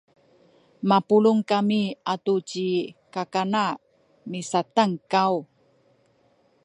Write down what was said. mapulung kami atu ci kakana misatankaw